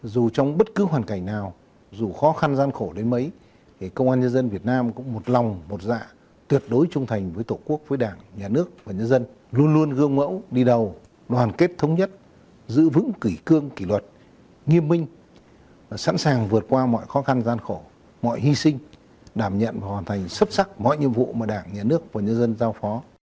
dù trong bất cứ hoàn cảnh nào dù khó khăn gian khổ đến mấy công an nhân dân việt nam cũng một lòng một dạ tuyệt đối trung thành với tổ quốc với đảng nhà nước và nhân dân luôn luôn gương mẫu đi đầu đoàn kết thống nhất giữ vững kỷ cương kỷ luật nghiêm minh sẵn sàng vượt qua mọi khó khăn gian khổ mọi hy sinh đảm nhận và hoàn thành sấp sắc mọi nhiệm vụ mà đảng nhà nước và nhân dân giao phó